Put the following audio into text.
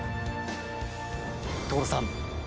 所さん！